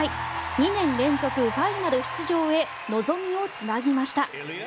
２年連続ファイナル出場へ望みをつなぎました。